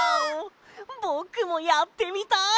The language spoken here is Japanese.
ぼくもやってみたい！